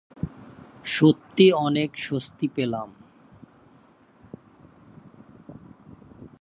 সত্যি অনেক স্বস্তি পেলাম।